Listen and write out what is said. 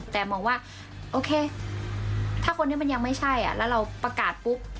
แต่มองว่าโอเคถ้าคนนี้มันยังไม่ใช่แล้วเราประกาศปุ๊บ